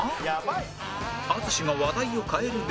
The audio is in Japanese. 淳が話題を変えるべく